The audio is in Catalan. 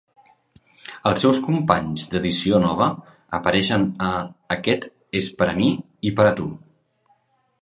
Els seus companys d'edició nova apareixen a "aquest és per a mi i per a tu".